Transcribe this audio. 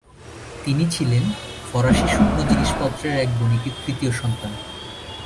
তিনি ছিলেন ফরাসি শুকনো জিনিসপত্রের এক বণিকের তৃতীয় সন্তান।